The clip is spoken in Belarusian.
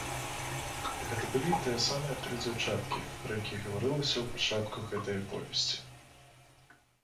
Гэта былі тыя самыя тры дзяўчаткі, пра якіх гаварылася ў пачатку гэтай аповесці.